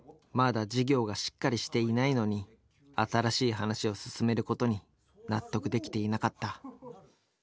まだ事業がしっかりしていないのに新しい話を進めることに納得できていなかった。